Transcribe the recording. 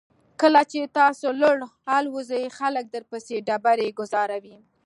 کله چې تاسو لوړ الوځئ خلک درپسې ډبرې ګوزاروي.